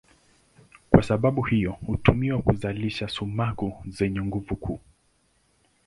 Kwa sababu hiyo hutumiwa kuzalisha sumaku zenye nguvu kuu.